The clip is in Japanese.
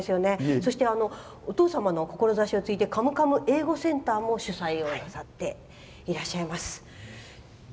そしてお父様の志を継いでカムカム英語センターも主宰なさっていらっしゃいます。